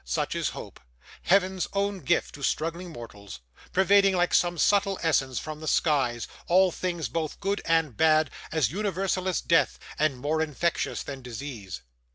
Such is hope, Heaven's own gift to struggling mortals; pervading, like some subtle essence from the skies, all things, both good and bad; as universal as death, and more infectious than disease!